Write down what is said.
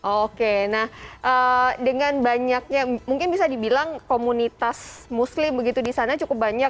oke nah dengan banyaknya mungkin bisa dibilang komunitas muslim begitu di sana cukup banyak